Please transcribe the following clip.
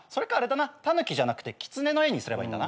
タヌキじゃなくてキツネの絵にすればいいんだな。